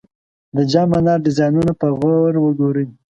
د جام منار ډیزاینونه په غور وګورئ.